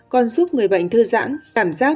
còn giúp người bệnh thư giãn cảm giác